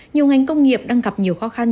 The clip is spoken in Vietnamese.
nhiều ngành công nghiệp đang gặp nhiều khó khăn